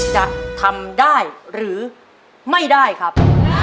จะทำได้หรือไม่ได้ครับ